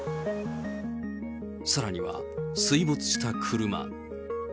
さらには水没した車。